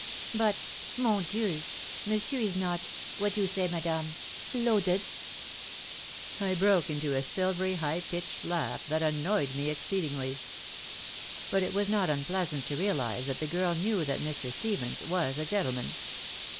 "But mon Dieu! monsieur is not what you say, madame, loaded?" I broke into a silvery, high pitched laugh that annoyed me, exceedingly. But it was not unpleasant to realize that the girl knew that Mr. Stevens was a gentleman.